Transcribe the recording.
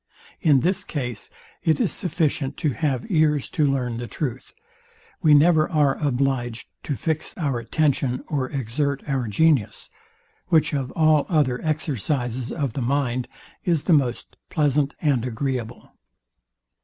In this case it is sufficient to have ears to learn the truth. We never are obliged to fix our attention or exert our genius; which of all other exercises of the mind is the most pleasant and agreeable.